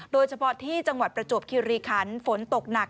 โดยเฉพาะที่จังหวัดประจวบคิริคันฝนตกหนัก